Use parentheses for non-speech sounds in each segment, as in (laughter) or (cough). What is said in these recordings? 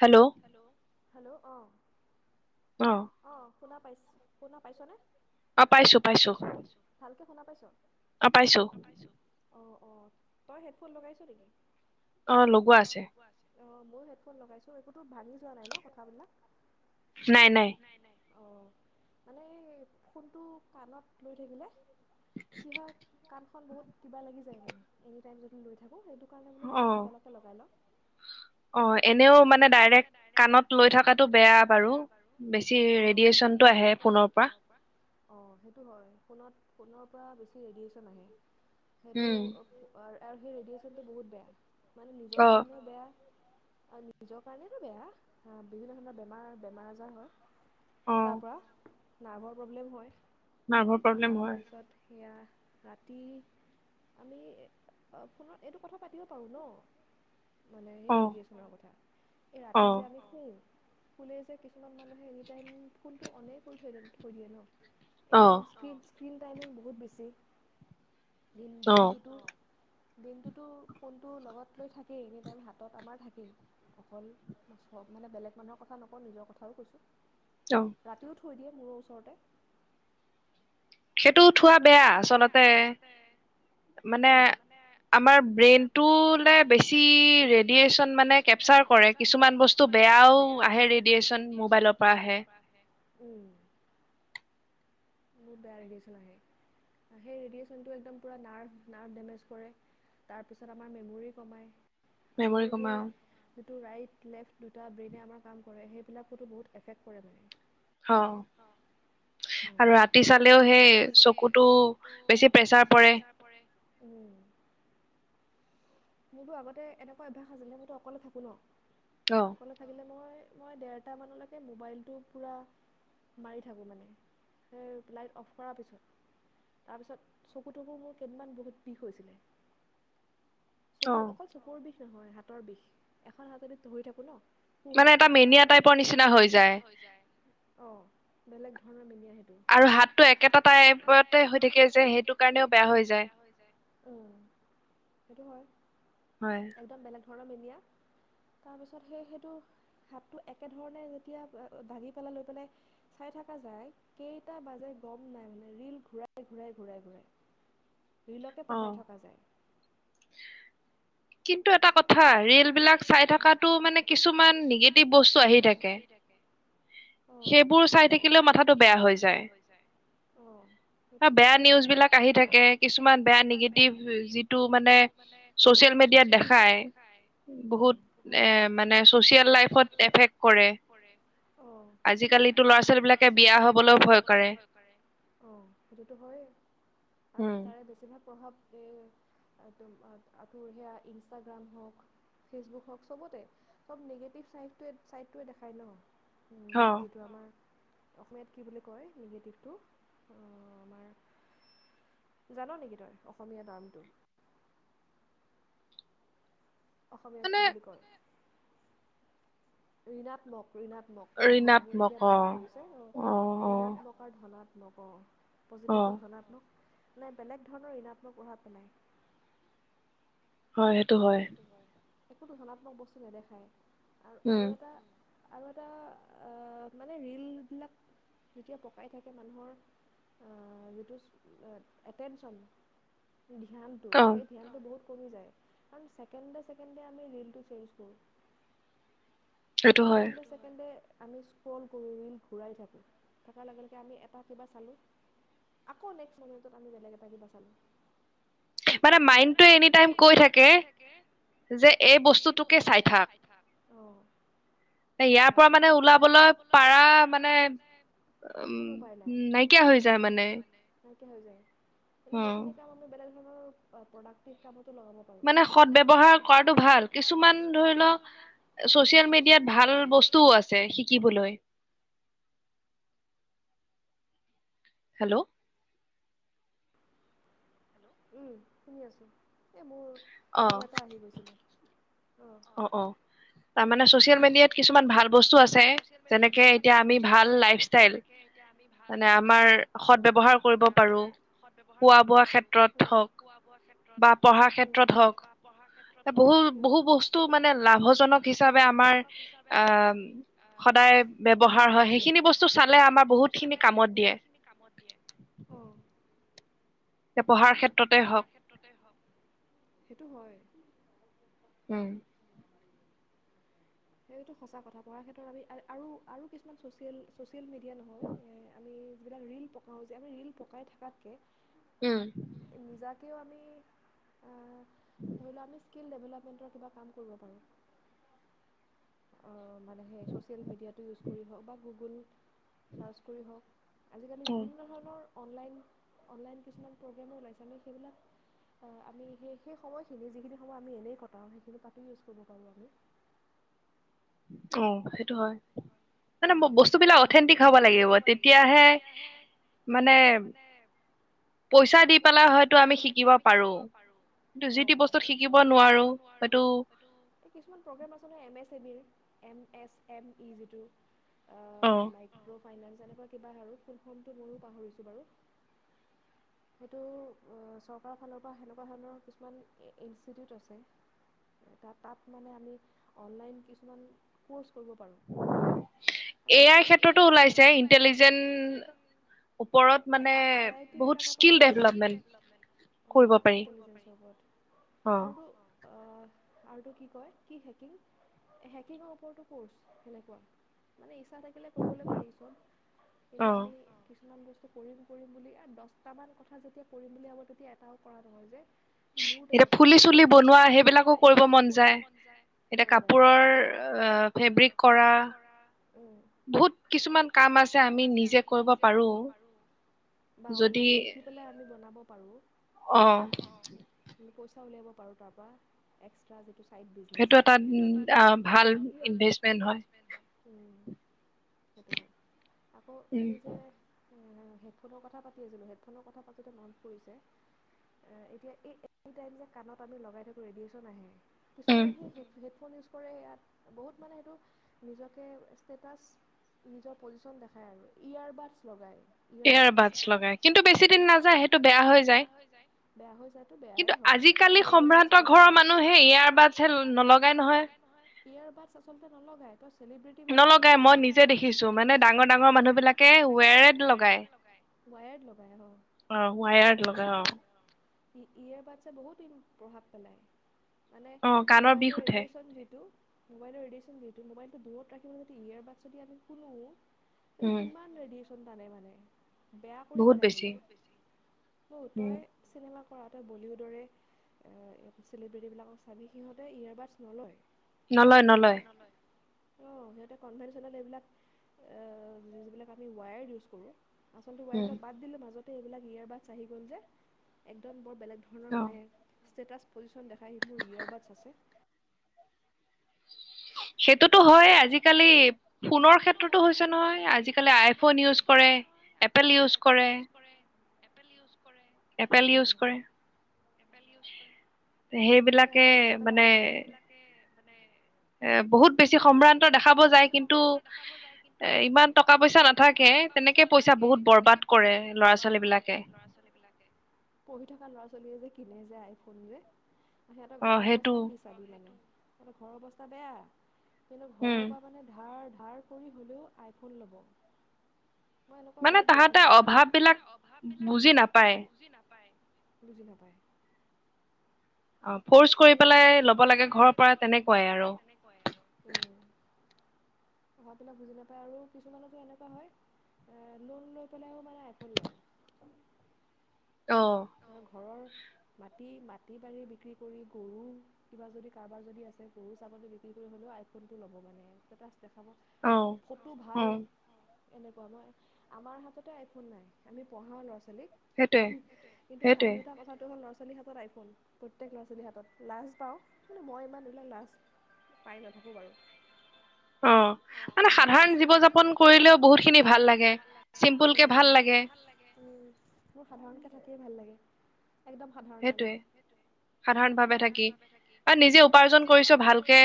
Hello. Hello, hello অ'। অ'। অ', শুনা পাইছ, শুনা পাইছনে। অ' পাইছো, পাইছো। ভালকে শুনা পাইছ অ' পাইছো। পাইছো, অ', অ'। তই হেডফোন লগাইছো নেকি? অ' লগোৱা আছে। অ' ময়ো হেডফোন লগাইছোঁ। একোতো ভাঙি যোৱা নাই ন' কথাবিলাক নাই নাই। নাই নাই। অ' মানে ফোনটো কাণত লৈ থাকিলে কি হয়, কাণখন বহুত কিবা লাগি যায় মান এনিটাইম যদি লৈ থাকোঁ। সেইটো কাৰণে বোলো হেডফোনডালকে লগাই লওঁ। অ' এনেও মানে ডাইৰেক্ট কাণত লৈ থকাটো বেয়া বাৰু, বেছি বেছি ৰেডিয়েচনটো আহে ফোনৰ পৰা অ'! সেইটো হয়। ফোনত-ফোনৰ পৰা বেছি ৰেডিয়েচন আহে। সেইটো, আৰ-আৰু সেই ৰেডিয়েচনটো বহুত বেয়া! মানে, নিজৰ কাৰণেও বেয়া। নিজৰ কাৰণেতো বেয়া! আঁ বিভিন্ন ধৰণৰ বেমাৰ, বেমাৰ-আজাৰ হয়। তাৰপৰা, নাৰ্ভৰ প্ৰব্লেম হয়। তাৰপিছত, সেয়া, ৰাতি আমি, ফোনত এইটো কথা পাতিব পাৰোঁ, ন'? মানে, সেই ৰেডিয়েচনৰ কথা। এই ৰাতি যে, আমি শোওঁ, শুলেই যে কিছুমান মানুহে, এনিটাইম ফোনটো অনে কৰি থৈ-থৈ দিয়ে ন'। এনিটাইম স্ক্ৰীণ স্ক্ৰীণ টাইমিং বহুত বেছি! দিন-দিনটোতো দিনটোতো, ফোনটো লগত লৈ থাকেই, এনিটাইম হাতত আমাৰ থাকেই। অকল (unintelligible) মানে, বেলেগ মানুহৰ কথা নকওঁ, নিজৰ কথাও কৈছোঁ। অ'! ৰাতিও থৈ দিয়ে, মোৰ ওচৰতে। সেইটো থোৱা বেয়া, আচলতে। মানে, আমাৰ ব্ৰেইনটোলে, বেছি ৰেডিয়েচন মানে, কেপচাৰ কৰে। কিছুমান বস্তু বেয়াও আহে, ৰেডিয়েচন মোবাইলৰ পৰা আহে। আহে। উম! বহুত বেয়া ৰেডিয়েচন আহে! সেই, ৰেডিয়েচনটো একদম পূৰা নাৰ্ভ- নাৰ্ভ ডেমেজ কৰে। তাৰপিছত, আমাৰ মেমৰি কমায়। আৰু সেই, যিটো, ৰাইট-লেফ্ট দুটা ব্ৰেইনে আমাৰ কাম কৰে। সেইবিলাকতো বহুত এফেক্ট কৰে, মানে। অ'! উম‌! আৰু ৰাতি চালেও সেই, চকুটো বেছি প্ৰেচাৰ পৰে। উম! মোৰতো আগতে এনেকুৱা অভ্যাস আছিলে। মইতো অকলে থাকোঁ ন' অকলে থাকিলে মই, মই ডেৰটামানলৈকে মোবাইলটো পূৰা মাৰি থাকোঁ মানে। সেই, লাইট অফ কৰাৰ পিছত। তাৰপিছত, চকু-তকু মোৰ কেইদিনমান বহুত বিষ হৈছিলে। চকুৰ, অকল চকুৰ বিষ নহয়, হাতৰ বিষ! এখন হাতেদি ধৰি থাকোঁ ন'। সোঁহাতখন। মানে, এটা মেনিয়া টাইপৰ নিচিনা হৈ যায়। অ'! বেলেগ ধৰণৰ মেনিয়া আহি আৰু হাতটো একেটা টাইপতে হৈ থাকে যে, সেইটোকাৰণেও বেয়া হৈ যায়। উম, সেইটো হয়! একদম বেলেগ ধৰণৰ মেনিয়া। তাৰপিছত সেই-সেইটো, ভাতটো একেধৰণে যেতিয়া, দাঙি পেলাই লৈ পেলাই (unintelligible) থাকা যায়। কেইটা বাজে, গম নাই মানে। ৰিল ঘূৰাই-ঘূৰাই, ঘূৰাই-ঘূৰাই। ৰীলকে পকাই থকা যায়। (inaudible) কিন্তু, এটা কথা, ৰীলবিলাক চাই থকাটো মানে, কিছুমান নিগেটিভ বস্তু আহি থাকে। সেইবোৰ চাই থাকিলেও, মাথাটো বেয়া হয়। বেয়া হৈ যায়। অ'! সেইটোতো হয়! বেয়া নিউজবিলাক আহি থাকে, কিছুমান বেয়া নিগেটিভ যিটো মানে, ছচিয়েল মিডিয়াত দেখাই, উম! বহুত, এ' মানে, ছচিয়েল লাইফত ইফেক্ট কৰে। অ'! আজিকালিটো, ল'ৰা- ছোৱালী বিলাকে বিয়া হ'বলৈ ভয় কৰে। অ'! সেইটোতো হৈয়েই। আৰু তাৰে, বেছিভাগ প্ৰভাৱ উম! আৰু তোৰ (unintelligible) সেয়া, ইনষ্টাগ্ৰাম হওঁক, ফেচবুক হওঁক, চবতে। চব নিগেটিভ চাইডটোৱে- চাইডটোৱে দেখায় ন'। যিটো আমাৰ অসমীয়াত কি বুলি কয় নিগেটিভটো আমাৰ জান নেকি তই অসমীয়া টাৰ্মটো? অসমীয়াত কি বুলি কয় ঋণাত্মক। ঋণাত্মক অ', মোৰ এতিয়া মনত পৰিছে ঋণা ত্মক আৰু ধনাত্মক পজিটিভটো ধনাত্মক। মানে বেলেগ ধৰণৰ ঋণাত্মক প্ৰভাৱ পেলায়। হয়, সেইটো হয়। একো ধনাত্মক বস্তু নেদেখায় আৰু আৰু এটা আৰু এটা মানে ৰীল বিলাক যেতিয়া পকাই থাকে মানুহৰ যিটো এটেনশন। ধ্যানটো সেই ধ্যানটো বহুত কমি যায় কাৰণ ছেকেণ্ডে ছেকেণ্ডে আমি ৰীলটো চেঞ্জ কৰো, ছেকেণ্ডে ছেকেণ্ডে আমি স্ক্ৰল কৰো ৰিল ঘূৰাই থাকো থকাৰ লগে লগে আমি এটা কিবা চালো। আক নেক্সট মমেণ্ত আমি বেলেগ এ কিবা চালো। গতিকে ধ্যান, মাইণ্ডটোৱে এনি টাইম কৈ থাকে। যে যে এই বস্তুটোকে চাই থাক, অ'। ইয়াৰ পৰা মানে ওলাবলৈ পাৰা মানে উম, নাইকিয়া হৈ যায় মানে। নাইকিয়া হৈ যায় কিন্তু সেইখিনি কাম আমি বেলেগ ধৰণৰ প্ৰডাক্টিভ কামতো লগাব মানে সদ ব্যৱহাৰ কৰাটো ভাল কিছুমান ধৰি ল' ছচিয়েল মিডিয়াত ভাল বস্তু আছে শিকিবলৈ। হেল্ল'? উম, শুনি আছোঁ এই মোৰ কল এটা আহি গৈছিলে অ'। অ', অ', তাৰমানে ছচিয়েল মিডিয়াত তাৰমানে, ছ'চিয়েল মিডিয়াত, কিছুমান ভাল বস্তু আছে। যেনেকৈ এতিয়া আমি ভাল লাইফষ্টাইল। উম, আমাৰ সদ ব্যৱহাৰ কৰিব পাৰোঁ। উম, খোৱা-বোৱাৰ ক্ষেত্ৰত হওক, উম। বা পঢ়াৰ ক্ষেত্ৰত হওক, উম। তো মানে লাভজনক হিচাপে আমাৰ আ সদায় ব্যৱহাৰ হয়। সেইখিনি বস্তু চালে আমাৰ বহুতখিনি কামত দিয়ে। কামত দিয়ে, উম। পঢ়াৰ ক্ষেত্ৰত পঢ়াৰ ক্ষেত্ৰতে হওক, সেইটো হয়। উম। সেইটো সঁচা কথা। পঢ়াৰ ক্ষেত্ৰত আমি আৰু, আৰু কিছুমান ছ'চিয়েল ছ'চিয়েল মিডিয়া নহয়। আমি যিবিলাক ৰীল পকাওঁ যে, আমি ৰীল পকাই থকাতকৈ। উম। নিজাকেও আমি ধৰি লওঁ আমি স্কিল ডেভেলপমেণ্টৰ কিবা কাম কৰিব পাৰোঁ। অ', মানে, সেই ছ'চিয়েল মিডিয়াটো ইউজ কৰি হওক বা গুগল চাৰ্চ কৰি হওক। আজিকালি বিভিন্ন ধৰণৰ অনলাইন কিছুমান প্ৰগ্ৰামো ওলাইছে, আমি সেইবিলাক আমি সেই সেই সময়খিনি যিখিনি সময় আমি এনেই, কটাওঁ সেইখিনি তাতো ইউজ কৰিব পাৰোঁ আমি। অ', সেইটো হয়। মানে, বস্তুবিলাক অথেণ্টিক হ'ব লাগিব, তেতিয়াহে। মানে, পইচা দি পেলাই হয়তো আমি শিকিব পাৰোঁ। অঁ, যি-তি বস্তুত শিকিব নোৱাৰোঁ, সেইটো। এই কিছুমান প্ৰগ্ৰেম আছে নহয়, এম এছ এম ইৰ, এম এছ এম ই যিটো। আ, মাইক্ৰ' ফাইনেন্স, এনেকুৱা কিবা আৰু, ফুলফৰ্মটো মইয়ো পাহৰিছোঁ বাৰু। (inaudible) সেইটো, চৰকাৰৰ ফালৰ পৰা, সেনেকুৱা ধৰণৰ কিছুমান ইনষ্টিটিউট আছে। এ তাত মানে আমি অনলাইন কিছুমান ক'ৰ্চ কৰিব পাৰোঁ। আমি সে সে এআই ক্ষেত্ৰটো ওলাইছে ইণ্টেলিজেন্ট আই আই টি বিলাকৰ পৰা ওলাইছে, স্কিল ডেভেলপমেণ্ট। অঁ, ইণ্টেলিজেন্ট হিচাপত আৰু অঁ, আৰুতো‌ কি কয় কি হেকিং হেকিঙৰ ওপৰতো ক'ৰ্চ সেনেকুৱা। মানে, ইচ্ছা থাকিলে কৰিবলৈ পাৰি চব, কিন্তু আমি কিছুমান বস্ কৰিম, কৰিম বুলি, আৰু দছটামান কথা যেতিয়া কৰিম বুলি ভাবোঁ, তেতিয়া এটাও কৰা নহয় যে। মোৰ তেনেকুৱা মানে, এতিয়া ফুলি-চুলি বনোৱা সেইবিলাকো কৰিব মন যায়, মন যায়, এতিয়া কাপোৰৰ আ ফেব্ৰিক কৰা। বহুত কিছুমান কাম আছে, আমি নিজে কৰিব পাৰোঁ। বা, অনলাইন শিকি পেলাই, আমি বনাব পাৰোঁ। অঁ। অঁ, দুই পইচা উলিয়াব পাৰোঁ, তাৰপা এক্সট্ৰা যিটো চাইড বিজনেছ, সেইটো এটা ভাল ইনভেষ্টমেণ্ট। উম, সেইটো হয় আকৌ, এই যে। অ হেডফোনৰ কথা পাতি আছিলোঁ, হেডফোনৰ কথা পাতোঁতে মনত পৰিছে। এ এতিয়া এই এনি টাইম যে কাণত আমি লগাই থাকোঁ, ৰেডিয়েচন আহে। কিছুমানে সেই হেড হেডফোন ইউজ কৰে ইয়াত বহুত মানে সেইটো নিজক এ ষ্টেটাচ, নিজৰ পজিচন দেখায় আৰু ইয়াৰবাডছ লগায়। এয়াৰবাডছ, এয়াৰবাডছ লগায়, কিন্তু বেছি দিন নাযায়, সেইটো বেয়া হৈ যায়। বেয়া হৈ যাতো বেয়াই হয় কিন্তু ইয়াৰবাডছ বহুত বেয়া। এয়াৰবাডছ হে নলগাই নহয় ইয়াৰবাডছ আচলতে নলগাওঁ তই। চেলিব্ৰিটিবিলাক চাবি নলগাই, মই নিজে দেখিছোঁ, মানে, ডাঙৰ ডাঙৰ মানুহবিলাকে ৱেৰ্ড লগায়। ৱেৰ্ড লগাই হয়। অ ৱায়াৰ্ড লগাই অ ই ইয়েৰবাডছে বহুত ইম প্ৰভাৱ পেলায় মানে মোবাইলৰ ৰেডিয়েচন যিটো মোবাইলৰ ৰেডিয়েচন যিটো মোবাইল দূৰত ৰাখিব যদি ইয়েৰবাডছ যদি আমি শুনো এইটো কিমান ৰেডিয়েচন টানে মানে বেয়া কৰি পেলাই বোলে বহুত বেছি ত' তই চিনেমা কৰা তই বলিউডৰে আ চেলিব্ৰেটি বিলাকক চাবি সিহঁতে ইয়েৰবাডছ নলয় নলয় নলয় অ সিহঁতে কনভেনচনেল এইবিলাক অ যিবিলাক আমি ৱায়াৰ ইউজ কৰোঁ আচলতে ৱায়াৰ বিলাক বাদ দিলে মাজতে এইবিলাক ইয়েৰবাডছ আহি গ'ল যে একদম বৰ বেলেগ ধ ধৰণৰ মানে ষ্টেটাছ পজিচন দেখাই হি মোৰ ইয়েৰবাডছ আছে সেইটোতো হয়ে আজিকালি সেইটোতো হয়ে আজিকালি ফোনৰ ক্ষেত্ৰতো হৈছে নহয় আজিকালি আইফোন ইউজ কৰে এপেল ইউজ কৰে উম এপেল ইউজ কৰে এ এপেল এপেল আইফোনটো সেইবিলাক কে মানে এ বহুত বেছি সম্ভ্ৰান্ত দেখাব যায় কিন্তু এ ইমান টকা পইচা নাথাকে তেনেকে পইচা বহুত বৰবাদ কৰে ল'ৰা ছোৱালী বিলাকে। ল'ৰা ছোৱালী বিলাকে, পঢ়ি থকা ল'ৰা ছোৱালীয়ে যে কিনে যে আইফোন যে সিহঁতৰ ঘৰৰ অৱস্থা কি চাবি মানে, সিহঁতৰ ঘৰৰ অৱস্থা কিন্তু ঘৰৰ পৰা মানে ধাৰ ধাৰ কৰি হ'লেও আইফোন ল'ব। মই এনেকুৱা বহুত দেখিছো, মানে তাহাঁতে অভাৱ বিলাক বুজি নাপায়, বুজি নাপায়। অ ফ'ৰ্চ ফ'ৰ্চ কৰি পেলাই ল'ব লাগে ঘৰৰ পৰা তেনেকুৱাই আৰু, উম। অ এইবিলাক বুজি নাপায় আৰু কিছুমানৰতো এনেকুৱা হয় এ লোন লৈ পেলাইয়ো মানে আইফোন লয়। অহ। অহ, ঘৰৰ মাটি মাটি বাৰী বিক্ৰী কৰি গৰু কিবা যদি কাৰোবাৰ যদি আছে গৰু ছাগলী বিক্ৰী কৰি হ'লেও আইফোনটো ল'ব মানে ষ্টেটাছ দেখাব ফটো ভাল এনেকুৱা মই আমাৰ হাততে আইফোন নাই আমি পঢ়াওঁ ল'ৰা ছোৱালীক কিন্তু হাঁহি উঠা কথাটো হ'ল ল'ৰা ছোৱালীৰ হাতত আইফোন প্ৰ- ত্যেক ল'ৰা ছোৱালীৰ হাতত লাজ পাওঁ কিন্তু মই ইমান এইবিলাক লাজ পাই নাথাকোঁ বাৰু। অহ। মানে সাধাৰণ জীৱ যাপন কৰিলেও বহুত খিনি ভাল লাগে চিম্পুল কে ভাল লাগে। উম মোৰ সাধাৰণকে থাকিয়ে ভাল লাগে একদম সাধাৰণ মানে। সাধাৰণ ভাৱে থাকি আৰু নিজে উপাৰ্জন কৰিছো ভালকে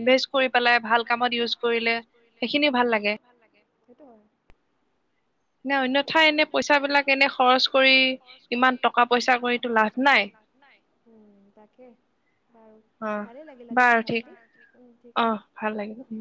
ইনভেষ্ট কৰি ইনভেষ্ট কৰি পেলাই ভাল কামত ইউজ কৰিলে সেইখিনিয়ে ভাল লাগে, সেইটো হয়। সেইটো হয়, অন্য অযোথা এনে পইচা বিলাক এনে খৰচ কৰি ইমান টকা পইচা কৰি তো লাভ নাই। উম তাকে বাৰু ভালেই লাগিল আজি কথা পাতি, বাৰু ঠিক আছে, উম ঠিক আছে, অ লাগিব হুম।